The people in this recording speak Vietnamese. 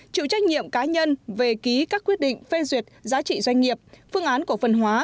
chịu trách nhiệm cá nhân về ký các quyết định phê duyệt giá trị doanh nghiệp phương án cổ phần hóa